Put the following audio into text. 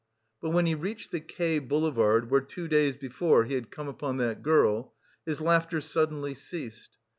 But when he reached the K Boulevard where two days before he had come upon that girl, his laughter suddenly ceased.